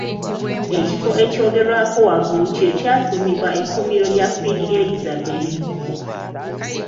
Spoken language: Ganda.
Ekifo ekyogerwako waggulu kye kyatuumibwa ekkuumiro lya Kwiini Elizabeth.